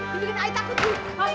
lu bikin ay takut yu